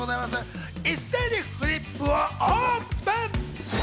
一斉にフリップをオープン！